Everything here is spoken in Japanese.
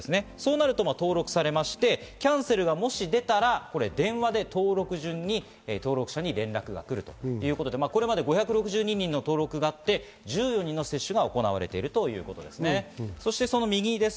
すると登録され、キャンセルが出たら電話で登録順に連絡が来るということで、これまで５６２人の登録があって、１４人の接種が行われているということです。